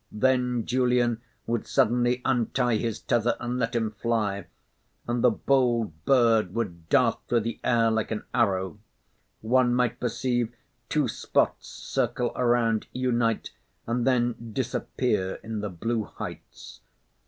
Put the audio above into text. Then Julian would suddenly untie his tether and let him fly, and the bold bird would dart through the air like an arrow, One might perceive two spots circle around, unite, and then disappear in the blue heights.